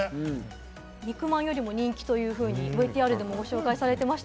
肉まんよりも人気というふうにＶＴＲでもご紹介されていました。